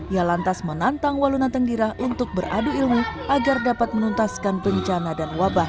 ia lantas menantang waluna tenggira untuk beradu ilmu agar dapat menuntaskan bencana dan wabah